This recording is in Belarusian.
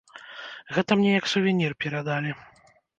Гэта мне як сувенір перадалі.